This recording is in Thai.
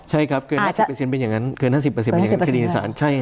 ใช่ครับเกิน๕๐เป็นอย่างนั้นทีรียสาร